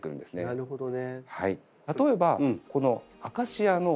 なるほどね。